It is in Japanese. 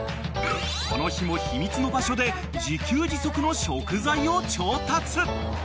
［この日も秘密の場所で自給自足の食材を調達］